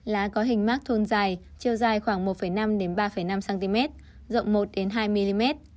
lá có hình mát thôn dài chiều dài khoảng một năm ba năm cm rộng một hai mm